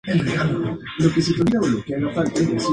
Los secuestrados fueron liberados en los siguientes días.